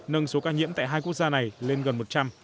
nâng số ca nhiễm tại hai quốc gia này lên gần một trăm linh